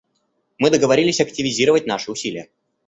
Мы договорились активизировать наши усилия.